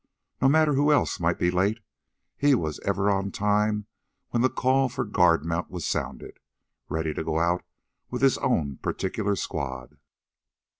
No matter who else might be late, he was ever on time when the call for guard mount was sounded, ready to go out with his own particular squad.